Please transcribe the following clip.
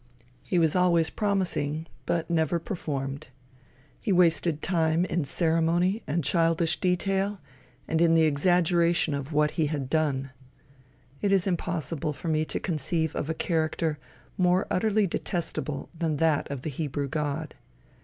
He was always promising but never performed. He wasted time in ceremony and childish detail, and in the exaggeration of what he had done. It is impossible for me to conceive of a character more utterly detestable than that of the Hebrew god.